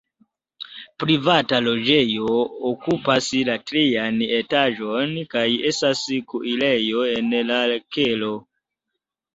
Privata loĝejo okupas la trian etaĝon kaj estas kuirejo en la kelo.